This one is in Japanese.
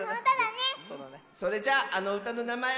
それじゃあのうたのなまえは。